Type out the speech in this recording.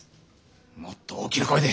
もっと大きな声で。